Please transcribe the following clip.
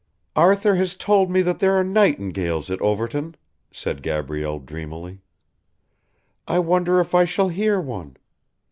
"Arthur has told me that there are nightingales at Overton," said Gabrielle dreamily. "I wonder if I shall hear one?